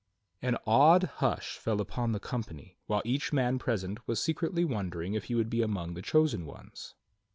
An awed hush fell upon the company, while each man present was secretly wondering if he would be among the chosen ones.